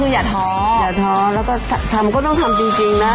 อย่าท้ออย่าท้อแล้วก็ทำก็ต้องทำจริงนะ